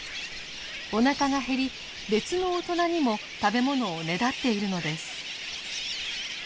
おなかが減り別の大人にも食べ物をねだっているのです。